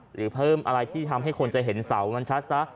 หรือเพิ่มอะไรที่ทำให้คนจะเห็นเสามันชัดซะ